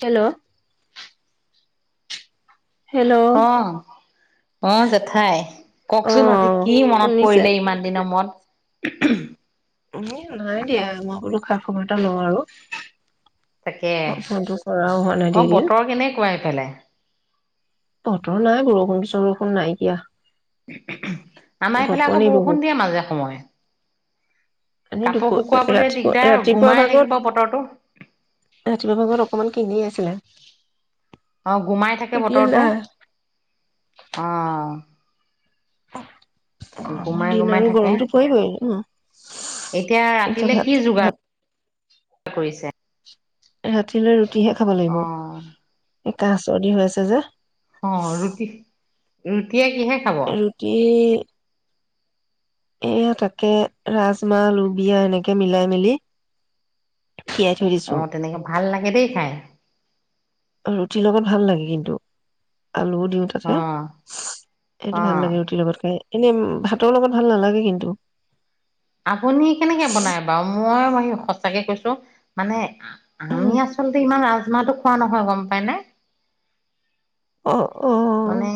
Hello hello অ অ জেঠাই অ কওকচোন আজি কি মনত শুনিছে পৰিলে ইমান দিনৰ মুৰত উমহ উম নাই দিয়া মই বুলু খা খবৰ এটা লওঁ আৰু তাকে ফোনটো কৰাও হোৱা নাই অ ধেই দিন বতৰ কেনেকুৱা ইফালে বতৰ নাই বৰষুণ চৰষুণ নাইকিয়া আমাৰ এইফালে গপনি আকৌ বৰষুণ দিয়ে মাজে সময়ে এনে কাপোৰ দুপৰ শুকুৱাবলে ৰাতিপুৱা দিগদাৰ ৰাতিপুৱা গোমাই থাকিব বতৰটো ভাগত ৰাতিপুৱা ভাগত অকমান কৰে দি আছিলে এতিয়া তৰটো নাই আহ গৰমৰ গুমাই দিন গুমাই আৰু থাকে গৰমটো পৰিবই ন এতিয়া ৰাতিলে ভাত কি ভাত যোগাৰ কৰিছে ৰাতিলৈ ৰুটিহে খাব অ লাগিব কাহ চৰ্দি হৈ আছে যে অ ৰুটি ৰুটি ৰুটিযে এয়া তাকে ৰাজমাহ লোবিয়া এনেকে মিলাই মেলি তিয়াই থৈ দিছো অ তেনেকে ভাল লাগে দেই খাই ৰুটিৰ লগত ভাল লাগে কিন্তু আলুও দিওঁ অ তাতে সেইটো ভাল অ লাগে ৰুটিৰ লগত খাই এনে ভাতৰ লগত ভাল নালাগে কিন্তু আপুনি কেনেকে বনাই বাৰু মই বাৰু সঁচাকে কৈছো মানে আমি আচলতে ইমান মাহটো খোৱা নহয় গম পাই নে অ অ মানে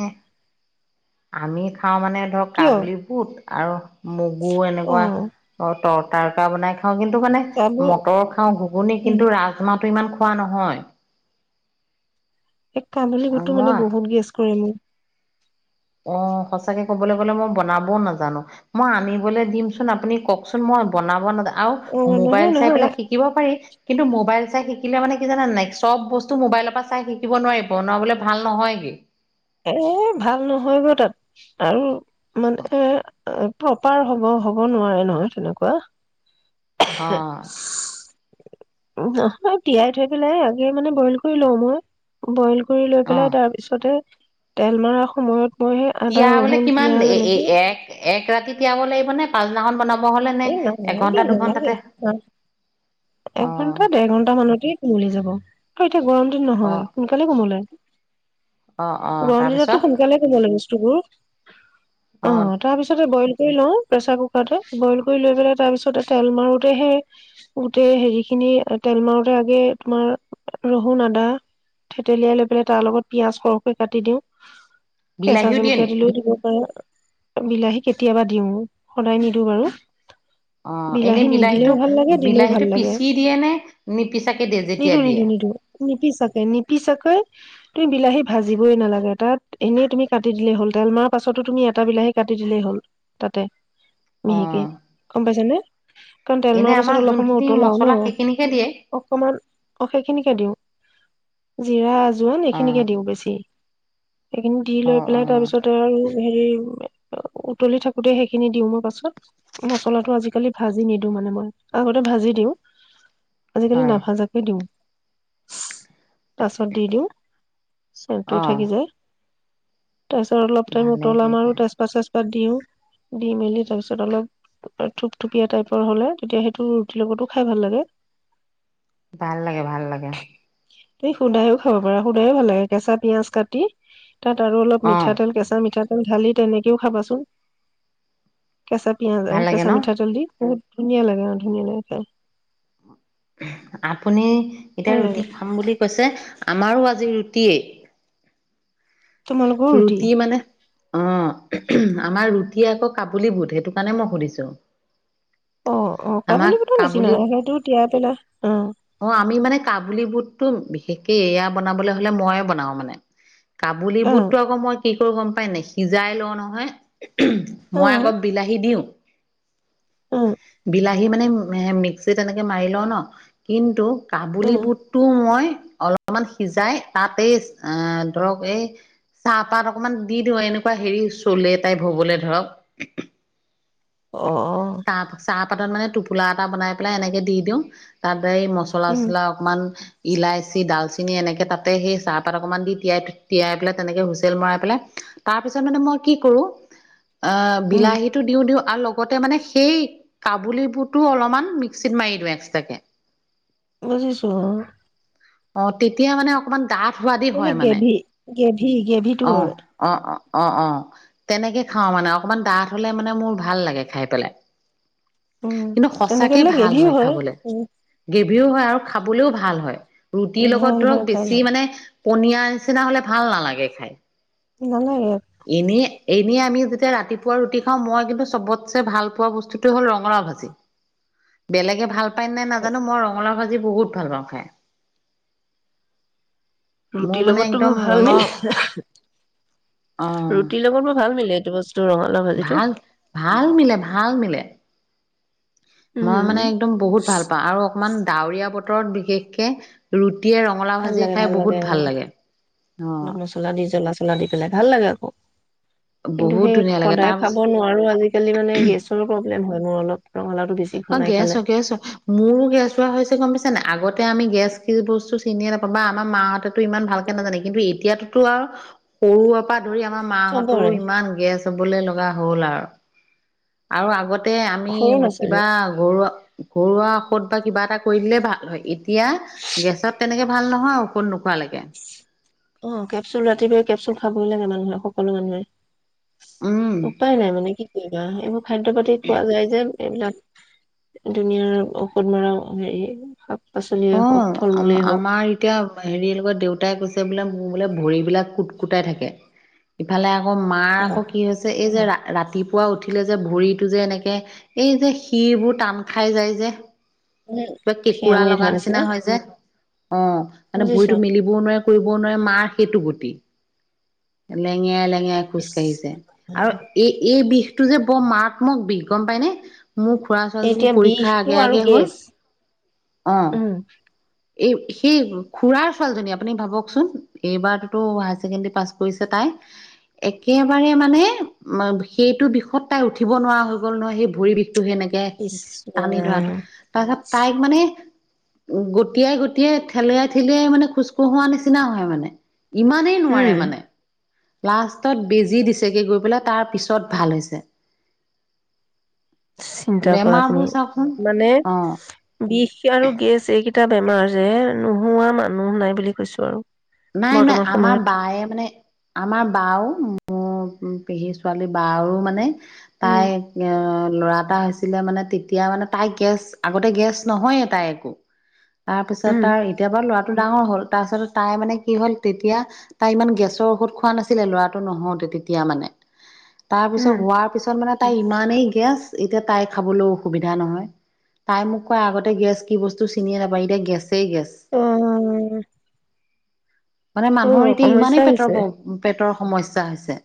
আমি খাওঁ মানে ধৰক কিয় কাবুলী বুট আৰু মগু অ এনেকুৱা অ' তৰ -তাৰকা বনাই খা খাওঁ কিন্তু মানে কাবু মটৰ খাওঁ ঘুগুনি উম কিন্তু ৰাজমাত টো ইমান খোৱা নহয়। এ' কাবুলি বুটটো মানে মই বহুত গেছ কৰে মোক। অ' সঁচাকৈ ক'বলে গ'লে মই বনাবও নাজানো, মই আনিবলৈ দিমচোন আপুনি কওঁকচোন মই বনাব নাজানো। আও অ মোবাইল নহয় চাই নহয় পেলাই শিকিব পাৰি কিন্তু মোবাইল চাই শিকিলে মানে কি জানা নাই? চব বস্তু মোবাইলৰ পৰা চাই শিকিব নোৱাৰি বনাবলৈ ভাল নহয়গে। এ ভাল নহয় গৈ তাত আৰু মানে প্ৰপাৰ হ'ব-হ'ব নোৱাৰে নহয় তেনেকুৱা। অ [unintelligible] নহয় তিয়াই থৈ পেলাই আগে মানে বইল কৰি লও মই। বইল কৰি লৈ অ পেলাই তাৰ পিছতে তেল মৰাৰ সময়ত। মই সেই আদা তিয়াবলে ৰহুন কিমান পিয়াজ এনেকে এ-এ-এক ৰাতি তিয়াব লাগিব নে? পাছদিনাখন বনাব হলে নে এই এঘন্টা নালাগে নালাগে, দুঘন্টাতে অ একঘন্টা-দেৰঘন্টা মানতে কুমলি যাব। আৰু এতিয়া গৰম দিন অ নহয়! সোনকালে কোমলে। অ অ গৰম দিনতটো তাৰপিছত সোনকালে কোমলে বস্তু । [unintelligible] অ' তাৰপিছতে বইল দি লওঁ প্ৰেচাৰ কুকাৰতে বইল কৰি লৈ পেলাই তাৰ পিছতে তেল মাৰোঁতে সেই, গোটেই হেৰিখিনি তেল মাৰোঁতে আগে তোমাৰ, ৰহুন-আদা থেতেলিয়াই লৈ পেলাই তাৰ লগত পিয়াঁজ সৰহকৈ কাটি দিওঁ। কেঁচা বিলাহীও দিয়ে জলকীয়া নি দিলেও দিব পাৰ। বিলাহী কেতিয়াবা দিওঁ, সদায় নিদিওঁ বাৰু! অ' বিলাহী এনেই নিদিলেও বিলাহীটো, ভাল লাগে দিলেও ভাল বিলাহীটো লাগে পিচি দিয়ে নে নিপিচাকে দিয়ে যেতিয়া নিদো নিদো দিয়ে? নিদো নিপিচাকে, নিপিচাকে তুমি বিলাহী ভাজিবই নালাগে, তাত এনেই তুমি কাটি দিলেই হ'ল তেল মৰাৰ পাছতো তুমি এটা বিলাহী কাটি দিলেই হ'ল তাতে। অ [unintelligible] কি গম পাইছ নে? কাৰণ তেল এনে মৰাৰ আমাৰ পাছত অলপ সময় যোনখিনি উতলাও ন মছলা সেইখিনিকে দিয়ে অকণমান অ সেইখিনিকে দিওঁ৷ জিৰা আজ জোৱান অ এইখিনিকে দিওঁ বেছি এইখিনি দি অ লৈ অ পেলাই তাৰ পিছতে আৰু হেৰি উতলি থাকোতে সেইখিনি দিও মই পাছত৷ মচলাটো আজিকালি ভাজি নিদিওঁ মানে মই আগতে ভাজি দিওঁ আজিকালি হয় নাভাজাকে দিওঁ পাছত দি দিওঁ চনটোও অ থাকি যায়৷ তাৰপছত অলপ টাইম ভালে উতলাম হৈছে আৰু তেজপাত চেজপা তাত দিও দি মেলি তাৰপিছত অলপ থুপথুপীয়া টাইপৰ হলে তেতিয়া সেইটো ৰুটিৰ লগতো খাই ভাল লাগে৷ ভাল লাগে ভাল লাগে তুমি সুদাই খাব পাৰা সুদাই ভাল লাগে কেঁচা পিয়াজ কাটি তাত আৰু অলপ অ মিঠাতেল কেঁচা মিঠা ঢালি তেনেকেও খাবাচোন কেচাঁ পিয়াজ ভাল আৰু লাগে ন কেঁচা মিঠাতেল দি বহুত ধুনীয়া লাগে অ ধুনীয়া লাগে খাই৷ আপুনি এতিয়া ভাল লাগে ৰুটি খাম বুলি কৈছে আমাৰো আজি ৰুটিয়েই তোমালোকৰো ৰুটি অ আমাৰ ৰুটি আকৌ কাবুলী বুট সেইটো কাৰণে মই সুধিছো৷ অ অ আমাক কাবুলি বুটৰ নিচিনা কাবুলী সেইটো তিয়াই পেলাই আহ একেই এয়া বনাবলৈ হলে মইয়ে বনাও মানে! কাবুলি অ বুট তাকে আকৌ মই কি [unintelligible] ত গম পাই নে সিজাই লওঁ নহয় মই আকৌ অ বিলাহী দিওঁ, বিলা এই মানে মিক্সিত এনেকে মাৰি লওঁ ন কিন্তু অ অ কাবুলী বুটটো মই অলপমান সিজাই তাতেই এএ ধৰক এই চাহপাত অকমান দি দিওঁ এনেকুৱা হেৰি চলে টাইপ হবলে ধৰক৷ অ অ তাপ চাপ এবাৰ মানে টোপোলা এটা বনাই পেলাই এনেকে দিওঁ তাত সদায় এই মচলা উম চচলা অকমান ইলাইচি ডালচিন এনেকে তাতে সেই চাহপাত অকমান দি তিয়াই তিয়াই পেলাই তেনেকে হুইচেল মৰাই পেলাই তাৰ পিছত মানে মই কি কৰো অ উম বিলাহী টো দিও দিও আৰু লগত আগতে মানে সেই কাবুল বোৰতটো অলপমান মিক্সিত মাৰি দিওঁ এক্সট্ৰাকে বুজিছো অ অ তেতিয়া মানে অকমান ডাঠ সোৱাদি মানে হয় গ্ৰেভি গ্ৰেভি গ্ৰেভিটো অ হয় অ অ অ অ তেনেকে খাওঁ মানে অকমান ডাঠ হলে মানে মোৰ ভাল লাগে খাই পেলাই উম, কিন্তু তেনেকে সচাকে দিলে ভাল গ্ৰেভিও হয় খাবলে উম, গ্ৰেভি হয় আৰু খাবলৈও ভাল হয় ৰুটিৰ লগত ভাল তও হয়, ভাল বেছি হয়, মানে পনীয়া নিচিনা হলে ভাল নালাগে খাই নালাগে ইনেয়ে এনেই আমি যেতিয়া ৰাতিপুৱা ৰুটি খাওঁ মই কিন্তু চবতছে ভাল পোৱা বস্তুতে হ'ল ৰঙালাও ভাজি বেলেগে ভাল পাই নাজানো মই ৰঙলা ভাজি এ বহুত ভাল পাওঁ খাই মোৰ ৰুটিৰ মানে লগতো একদম মোৰ ভাল মনৰ মিলে অ ৰুটিৰ লগত মোৰ ভাল মিলে দ ভাল ভাল মিলে ভাল মিলে মই মানে উম। একদম বহুত ভাল পাওঁ আৰু অকমান ডাৱৰীয়া বতৰত বিশেষকে ৰু ৰঙালাও ভাজি খাই বহুত ভাল লাগে অ খেলা দি পেলাই ভাল লাগে আকৌ কিন্তু বহুত সেই ধুনীয়া লাগে সদায় খাব তাৰপিছত নোৱাৰো আজিকালি মানে গেছৰ হয় মোৰো অলপল অ গেছ গেছ মোৰো গেছোৱা হৈছে গম পাইছা নে আগতে তে আমি গেছ কি বস্তু চিনিয়ে নাপাওঁ বা আমাৰ মাহঁতে ইমান ভালক নাজানে কিন্তু এতিয়াতো সৰু ত পৰা ধৰি আমাৰ মাহঁতৰো চবৰে, ইমান গেছ চবলে লগা হ'ল আৰু আৰু আগতে তাতে আমি সৰু ল'ৰা ছোৱালী, কিবা ঘৰুৱা ঘৰুৱা ঔষধ বা কিবা এটা কৰি দিলে ভাল হয় এতিয়া গেছত তেনেকে ভাল নহয় ঔষধ নোখোৱালৈকে অ' কেপচুল ৰাতিপুৱাই কেপচুল খাবই লাগে মানুহে সকলো মানুহে। উম উপায় নাই মানে কি কৰিবা এইবোৰ খাদ্য পাতি খোৱা যায় যে এইবিলাক দুুনিয়াৰ ঔষধ মৰা হেৰি পাচলিয়ে অ' হওক ফল আ মূলেই হওক আমাৰ এতিয়া হেৰি লগত দেউতাই কৈছে বোলে বোলে ভৰিবলাক কুট কুটাই থাকে ইফালে আকৌ মাৰ আকৌ কি হৈছে এই যে ৰা ৰাতিপুৱা উঠিলে যে ভৰিতটো যে এনেকে এই যে শিৰবোৰ টান খাই যায় যে মানে কিবা কেঁকোৰা সেয়ামৰি লগা ধৰা নিচিনা হয় যে অ মানে বুজিছ ভৰিতো মেলিবও নোৱাৰে শুবও নোৱাৰে মাই সেইটো গতি লেঙেৰাই ইচ খোজকাঢ়িছে আৰু এই এই বিষ এইটো যে বৰ মাৰাত্মক বিষ গম পায় নে মোৰ খুৰা ছোৱালীজনী এতিয়া পৰীক্ষাৰ বিষটো আগে আৰু আগে হ'ল গেছ অঁ উম এই সেই খুৰাৰ ছোৱালীজনী আপুনি ভাবকচোন এইবাৰতো হায়াৰ ছেকেণ্ডৰী পাছ কৰিছে তাই একেবাৰে মানে সেইটো বিষত তাই উঠিব নোৱাৰা হৈ গ'ল নহয় সেই ভৰি বিষ টো সেনেকে ইচ টানি ৰাম ধৰাটো তাৰপিছত তাইক মানে গটিয়াই গটিয়াই ঠেলিয়াই ঠেলিয়াই মানে খোজকঢ়োৱা নিচিনা হয় মানে ইমানেই উম নোৱাৰে মানে লাষ্টত বেজী দিছেগে গৈ পেলাই তাৰ পিছত ভাল হৈছে। চিন্তা কৰা তুমি বেমাৰবোৰ চাওকচোন মানে অ' বিষ আৰু গেছ এইকেইটা বেমাৰ যে নোহোৱা মানুহ নাই বুলি কৈছো আৰু নাই নাই বৰ্তমান আমাৰ সময়ত বায়ে মানে আমাৰ বাৰ ও উম পেহী ছোৱালী বাৰ মানে উম তাই আহ ল'ৰা এটা হৈছিলে মানে তেতিয়া মানে তাই গেছ আগতে গেছ নহয়ে তাই একো তাৰ পিছত উম ত এতিয়াৰ ল'ৰা ডাঙৰ হল তাৰপিছত তাই মানে কি হ'ল তেতিয়া তাই ইমান গেছৰ ঔষধ খোৱা নাছিলে ল'ৰাটো নহওঁতে তেতিয়া মানে তাৰ পিছত উম হোৱাৰ পিছত মানে তাই ইমানেই গেছ এতিয়া তাই খাবলৈ অসুবিধা নহয়। তাই মোক কয় আগতে গেছ কি বস্তু চিনিয়ে নাপায় এতিয়া গেছ। গেছই গেছ অ মানে অ মানুহৰ এতিয়া সমস্যা ইমানেই হৈছে পেটৰ পেটৰ সমস্যা হৈছে।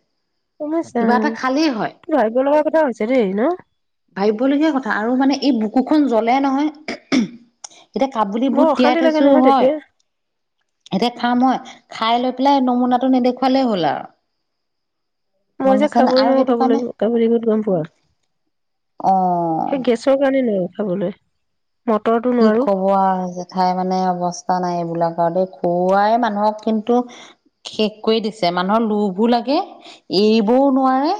কমেছা কিবা এটা খালেই হয় । কিবা ভাববো লগা কথা হৈছে দেই ন'? ভাবিবলগীয়া কথা আৰু মানে এই বুকুখন জ্বলে নহয় এতিয়া কাবুলি বৰ বুট অশান্তি তিয়াই লাগে থৈছোঁ নহয় হয় তেতিয়া । এতিয়া খাই লৈ পেলাই নমুনাটো নেদেখুৱালেই হ'ল আৰু। গম মই যে পাইছে নে খাবই আৰু নোৱাৰোঁ সেইটো কাবুলী কাৰণে বুট- কাবুলী বুট, গম পোৱা? অ সেই গেছৰ কাৰণে নোৱাৰোঁ খাবলৈ। মটৰটো কি নোৱাৰো কব আৰু জেঠাই, মানে অৱস্থা নাই এইবোলাক দক খুৱাই মানুহক কিন্তু শেষ কৰি দিছে । মানুহৰ লোভো লাগে, এৰিবোৰও নোৱাৰে,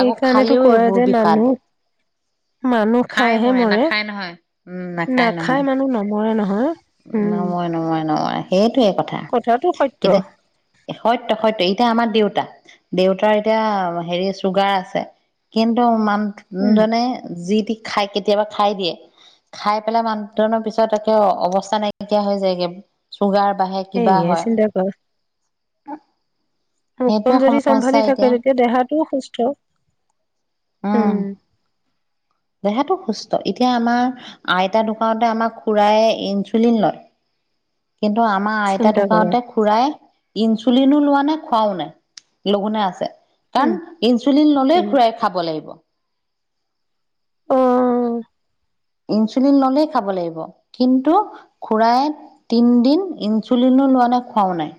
আকৌ খালেও কয়ে এইবোৰ যে বিষাদ মানুহ মানুহ খাই খাইহে মৰে নাখায় নহয় । নাখাই মানুহ নমৰে ন হা? নময়- নময় - নময়। হেত সেইটোৱে কথা । কথাটো সত্য এতিয়া সইত‌ - সইত, এতিয়া আমাৰ দেউত দেউতাৰ এতিয়া হেৰি চুগাৰ আছে । কিন্তু মা উম মানে যি তি খাই কেতিয়াবা খাই দিয়ে। খাই পেলাই মানুহজনৰ পিছত একে অৱ নাইকিয়া হৈ যায়গে চুগাৰ বাঢ়ে, কিবা সেয়ে হয়। চিন্তা কৰা অ মুখখন যদি চম্ভালি থাকে, তেতিয়া দেহাত তো সুস্থ। উম, দেহাটো সু এতিয়া আমাৰ আইতাৰ দোকানতে আমাৰ খুড়াই ইনচুলিন লয়। কিন্তু আমাৰ আইতা চিন্তা কৰা ঢুকাওঁতে খুৰাই ইনচুলিনো লোৱা নাই খুৱাওঁ নাই । লঘোনে আছে। কাৰণ উম ইনচুলিন ল'লেই উম খুড়াই লাগিব। অ'। ইনচুলিন ল'লে খাব লাগিব । কিন্তু খুৰাই তিনদিন ইনচুলিনো লোৱা নাই, খুৱাওঁ নাই।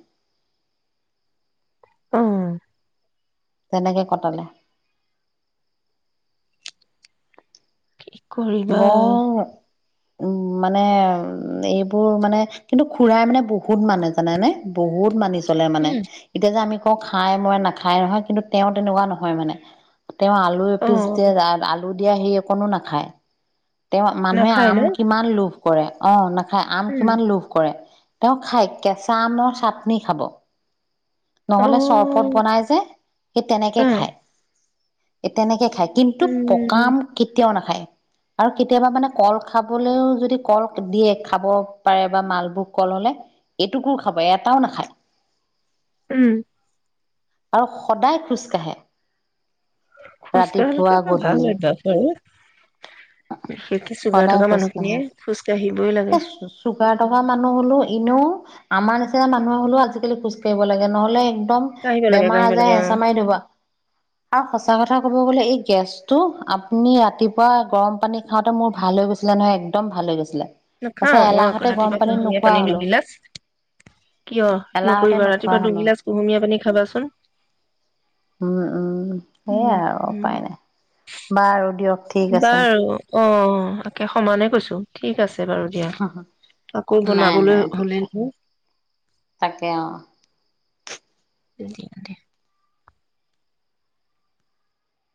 অ'। তেনেকে কটালে। কি কৰিবা। বৰ উম মানে উম এইবোৰ মানে কিন্তু খুৰাই মানে বহুত মানে জানেনে? বহুত মানিছোঁ। চলে মানে উম এতিয়া যে আমি খাই মই নাখায় নহয় কিন্তু তেওঁ তেনেকুৱা নহয় মানে তেওঁ আলু অ এপিচ দিয়ে আলু দিয়া সেই অকণো নাখায় তেওঁ মানুহে নাখায় আম ন কিমান লোভ কৰে অ ন খাই আম উম কিমান লোভ কৰে তেওঁ খাই কেঁচা আমৰ চাটনি খাব অ নহ'লে চৰবত বনাই যে সি তেনেকে অ খাই তেনেকে খাই কিন্তু পকা উম আম কেতিয়াও নাখাই আৰু কেতিয়াবা মানে কল খাবলৈও যদি কল দিয়ে খাব পাৰে বা মালভোক কল হলে এইটোকো খাব এটাও নাখায় উম সদায় খোজকাঢ়ে ৰাতিপুৱা খোজকাঢ়িলেটো ভাল গধূলি হয় বেছিকে চুগাৰ সদায় থকা খোজকাঢ়ে মানুহখিনিয়ে খোজ কাঢ়ি এ চুগাৰ থকা মানুহ হলো এনেও আমাৰ নিচিনা মানুহ হলেও আজিকালি খোজ কাঢ়িব লাগে নহ'লে কাঢ়িব লাগে বেমাৰ কাঢ়িব আজাৰ লাগে অ হেঁচা মাৰি দিব আৰু সঁচা কথা কব মই বোলে এই গেছটো আপুনি ৰাতিপুৱা গৰম পানী খাওঁতে মোৰ ভাল হৈ গৈছিলে নহয় একদম ভাল হৈ গৈছিলে নাখাওঁ তাৰপিছত মই এলাহতে গৰম ৰাতিপুৱা কুহুমীয়া নোখোৱা পানী হলো দুগিলাচ কিয় এলাহতে নকৰিবা নোখোৱা ৰাতিপুৱা হলো দুগিলাচ কুহুমীয়া পানী খাবাচোন উম উম সেইয়াই আৰু উম উ উপায় নাই বাৰু দিয়ক ঠিক আছে বাৰু অ একে সমানে কৈছো ঠিক আছে বাৰু দিয়া আকৌ নাই নাই বনাবলৈ ঠিকে হ'লেই নহয় তাকে অ দিম দে